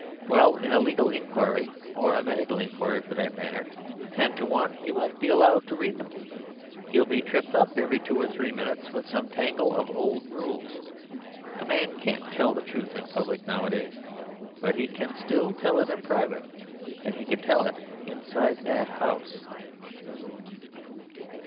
Well, in a legal inquiry (or a medical inquiry, for that matter) ten to one he won't be allowed to read them. He'll be tripped up every two or three minutes with some tangle of old rules. A man can't tell the truth in public nowadays. But he can still tell it in private; he can tell it inside that house."